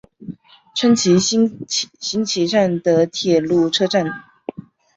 川崎新町站的铁路车站。